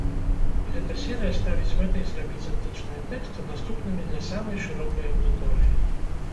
Гэта серыя ставіць мэтай зрабіць антычныя тэксты даступнымі для самай шырокай аўдыторыі.